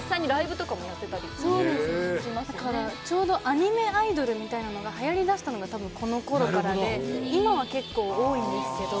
アニメアイドルみたいなのがはやりだしたのがたぶんこのころからで今は結構多いんですけど。